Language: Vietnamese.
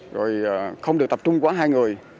rồi không được tập trung quá hai người